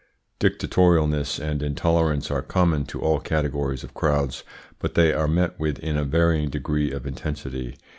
Dictatorialness and intolerance are common to all categories of crowds, but they are met with in a varying degree of intensity.